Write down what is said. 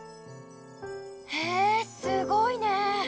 へえすごいね！